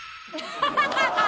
ハハハハ！